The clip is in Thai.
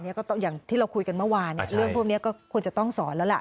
อย่างที่เราคุยกันเมื่อวานเรื่องพวกนี้ก็ควรจะต้องสอนแล้วล่ะ